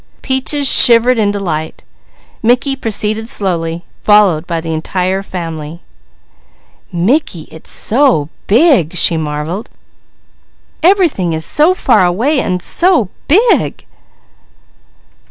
Peaches shivered in delight. Mickey proceeded slowly, followed by the entire family. "Mickey, it's so big!" she marvelled. "Everything is so far away, an' so big!"